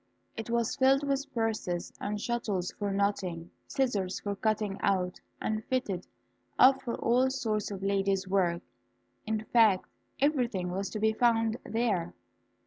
It was filled with purses, and shuttles for knotting, scissors for cutting out, and fitted up for all sorts of ladies' work; in fact, everything was to be found there.